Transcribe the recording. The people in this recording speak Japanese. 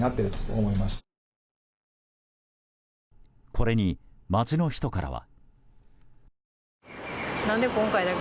これに街の人からは。